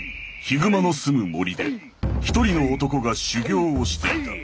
熊の住む森で一人の男が修行をしていた。